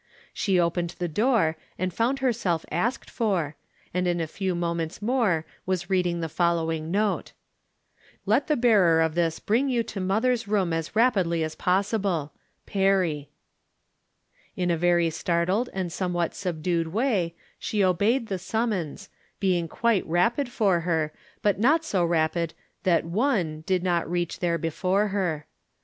She opened the door and found herself asked for, and in a few mo ments more was reading the following note :" Let the bearer of this bring you to mother's room as rapidly as possible. Peeet." From Different Standpoints. 283 In a very startled and somewhat subdued way she obeyed the summons, being quite rapid for her, but not so rapid that one did not reach there before her.